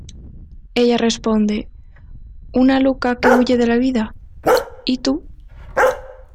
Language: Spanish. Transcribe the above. Ella responde:... Una loca que huye de la vida, ¿y tú?...